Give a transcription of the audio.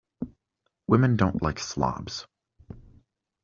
Women don't like slobs.